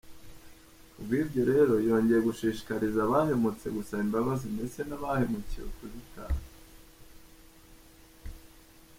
Ku bw’ibyo rero, yongeye gushishikariza abahemutse gusaba imbabazi ndetse n’abahemukiwe kuzitanga.